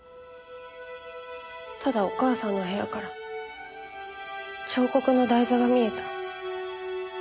ただお母さんの部屋から彫刻の台座が見えた。